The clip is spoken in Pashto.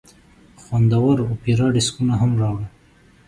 خوندور اوپيراډیسکونه هم راوړه.